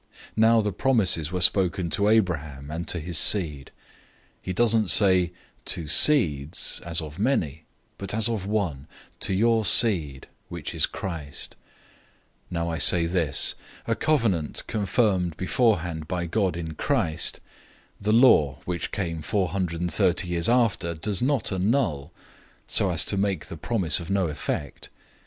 003:016 Now the promises were spoken to Abraham and to his seed. He doesn't say, "To seeds," as of many, but as of one, "To your seed,"{Genesis 12:7; 13:15; 24:7} which is Christ. 003:017 Now I say this. A covenant confirmed beforehand by God in Christ, the law, which came four hundred thirty years after, does not annul, so as to make the promise of no effect.